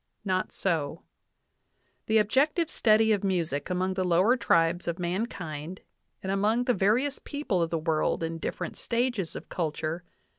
Not so. "The ob jective study of music among the lower tribes of mankind, and among the various people of the world in different stages of culture